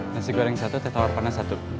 nasi goreng satu teh tawar panas satu